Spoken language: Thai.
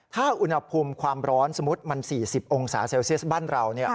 ถ้าอุณหภูมิความร้อนสมมุติมัน๔๐องศาเซลเซียสบ้านเรา